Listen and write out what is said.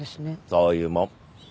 そういうもん。